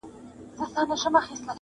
شرمنده دي مشران وي ستا كردار ته -